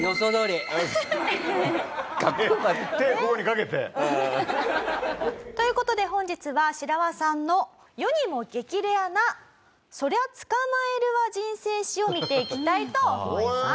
手こういう風にかけて。という事で本日はシラワさんの世にも激レアな「そりゃ捕まえるわ人生史」を見ていきたいと思います。